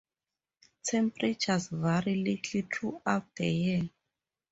Temperatures vary little throughout the year.